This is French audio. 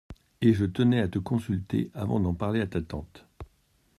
Et je tenais à te consulter avant d’en parler à ta tante.